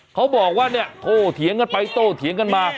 เขาบอกว่าเนี่ยโตเถียงกันไปโตเถียงกันมา